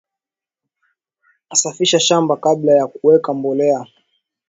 safisha shamba kabla ya kuweka mbolea